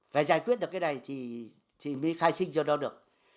phải giải quyết được cái này thì chị mới khai sinh cho nó được